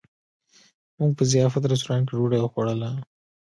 موږ په ضیافت رسټورانټ کې ډوډۍ وخوړله.